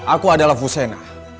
aku adalah fusena